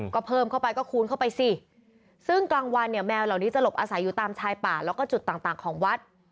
ก็เพิ่มเข้าไปก็คูณเข้าไปสิซึ่งกลางวันเนี่ยแมวเหล่านี้จะหลบอาศัยอยู่ตามชายป่าแล้วก็จุดต่างต่างของวัด